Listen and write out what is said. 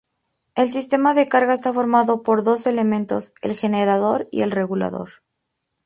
El sistema de carga está formado por dos elementos, el generador y el regulador.